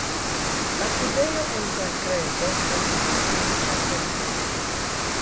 La klubejo en Zagrebo en pli feliĉa tempo.